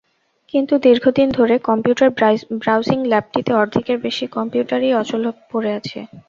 কিন্তু দীর্ঘদিন ধরে কম্পিউটার ব্রাউজিং ল্যাবটিতে অর্ধেকের বেশি কম্পিউটারই অচল পড়ে আছে।